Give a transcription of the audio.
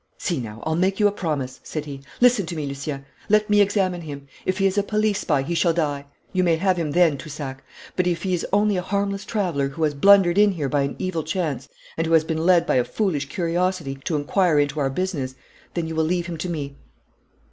'See, now! I'll make you a promise!' said he. 'Listen to me, Lucien! Let me examine him! If he is a police spy he shall die! You may have him then, Toussac. But if he is only a harmless traveller, who has blundered in here by an evil chance, and who has been led by a foolish curiosity to inquire into our business, then you will leave him to me.'